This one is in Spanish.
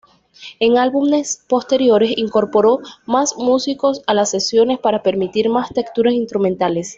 En álbumes posteriores, incorporó más músicos a las sesiones para permitir más texturas instrumentales.